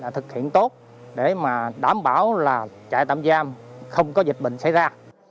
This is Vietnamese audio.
thực hiện tốt để đảm bảo trại tạm giam không có dịch bệnh xảy ra